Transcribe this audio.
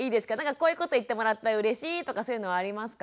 こういうこと言ってもらったらうれしいとかそういうのはありますか？